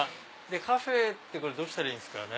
カフェってこれどうしたらいいんですかね。